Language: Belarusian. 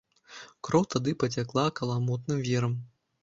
Кроў тады пацякла каламутным вірам.